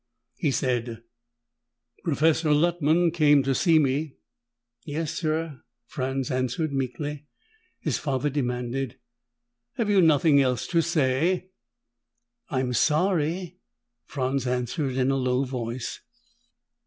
He said, "Professor Luttman came to see me!" "Yes, sir," Franz answered meekly. His father demanded, "Have you nothing else to say?" "I'm sorry," Franz answered in a low voice.